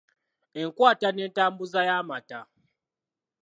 Enkwata n’entambuza y’amata.